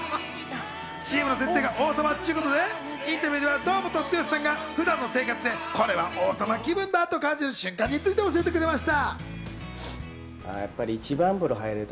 ＣＭの設定が王様ということで、インタビューでは堂本剛さんが普段の生活で、これは王様気分だと感じる瞬間について教えてくれました。